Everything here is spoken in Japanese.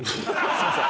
すいません。